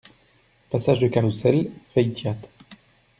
Passage du Caroussel, Feytiat